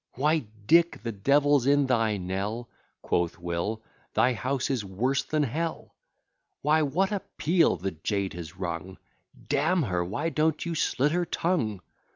Why, Dick! the devil's in thy Nell, (Quoth Will,) thy house is worse than Hell. Why what a peal the jade has rung! D n her, why don't you slit her tongue?